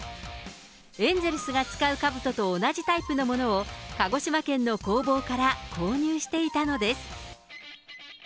エンゼルスが使うかぶとと同じタイプのものを、鹿児島県の工房から購入していたのです。